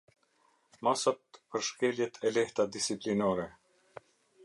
Masat për shkeljet e lehta disiplinore.